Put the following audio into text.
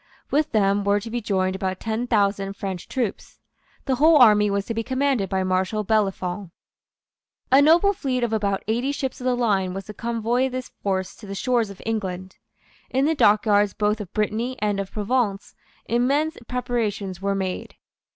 With them were to be joined about ten thousand French troops. The whole army was to be commanded by Marshal Bellefonds. A noble fleet of about eighty ships of the line was to convoy this force to the shores of England. In the dockyards both of Brittany and of Provence immense preparations were made.